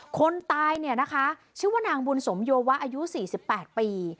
คนตายเนี่ยนะคะชื่อว่านางบุญสมโยวะอายุ๔๘ปี